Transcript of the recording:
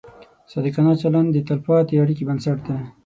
صادقانه چلند د تلپاتې اړیکې بنسټ دی.